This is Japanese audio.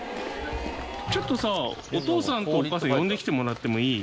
ちょっとさお父さんかお母さん呼んできてもらってもいい？